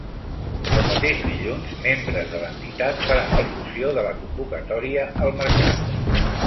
El mateix dilluns, membres de l’entitat faran difusió de la convocatòria al mercat.